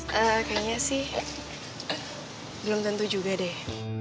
kayaknya sih belum tentu juga deh